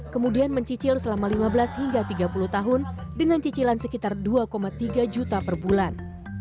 kemudian mencicil selama lima belas hingga tiga puluh tahun dengan cicilan sekitar dua tiga juta per bulan